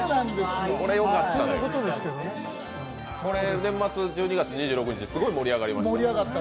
年末、１２月２８日、すごい盛り上がりました。